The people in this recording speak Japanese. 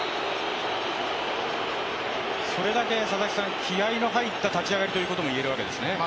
それだけ気合いの入った立ち上がりということも言えるわけですね。